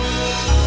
kamu hebat murdi